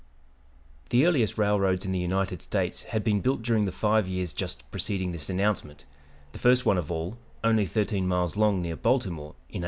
The earliest railroads in the United States had been built during the five years just preceding this announcement, the first one of all, only thirteen miles long, near Baltimore, in 1831.